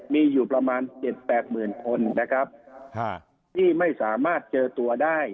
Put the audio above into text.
มีอยู่ประมาณ๗๘หมื่นคนนะครับที่ไม่สามารถเจอตัวได้